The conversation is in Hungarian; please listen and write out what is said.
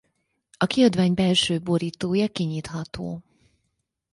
A kiadvány belső borítója kinyitható.